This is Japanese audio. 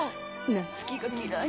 夏希が嫌い？